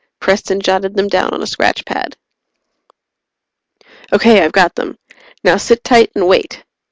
Preston jotted them down on a scratch pad. "Okay, I've got them. Now sit tight and wait."